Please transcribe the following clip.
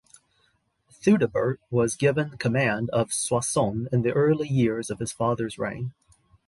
Theudebert was given command of Soissons in the early years of his father's reign.